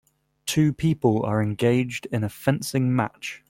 Two people are engaged in a fencing match.